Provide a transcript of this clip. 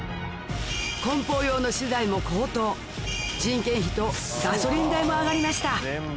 梱包用の資材も高騰人件費とガソリン代も上がりました